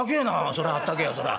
「そらあったけえやそら。